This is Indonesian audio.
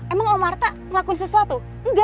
emang om arta ngakuin sesuatu